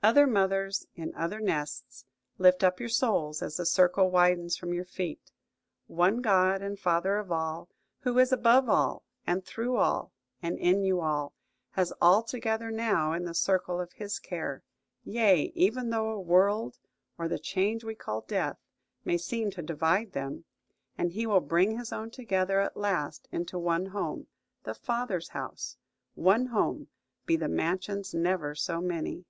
Other mothers in other nests, lift up your souls, as the circle widens from your feet. "One God and Father of all, who is above all, and through all, and in you all," has all together now in the circle of His care; yea, even though a world, or the change we call death, may seem to divide them: and He will bring His own together at last into one home–the "Father's House;"–one home, be the mansions never so many!